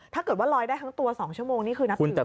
ถ้าเกิดว่าลอยได้ทั้งตัว๒ชั่วโมงนี่คือนับถือ